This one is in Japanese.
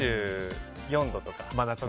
２４度とか。